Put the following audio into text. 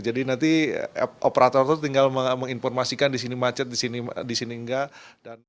jadi nanti operator itu tinggal menginformasikan disini macet disini enggak